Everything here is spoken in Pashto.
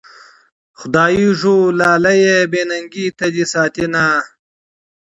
خدايږو لالیه بې ننګۍ ته دي ساتينه